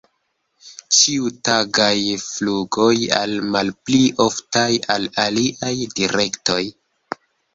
Ĉiutagaj flugoj al malpli oftaj al aliaj direktoj.